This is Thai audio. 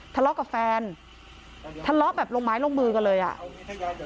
ทะเลาะกับแฟนทะเลาะแบบลงไม้ลงมือกันเลยอ่ะ